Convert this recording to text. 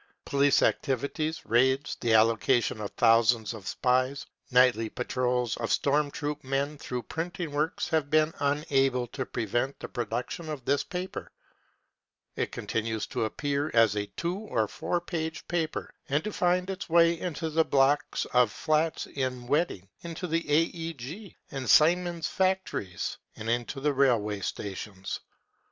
Police activities, raids, the allocation of thousands of spies, nightly patrols of storm troop men through printing works have been unable to prevent the production of this paper. It continues to appear as a two or four page paper, and to find its way into the blocks of flats in Wedding, interfile A.E.G. and Siemens factories and into the railway stations.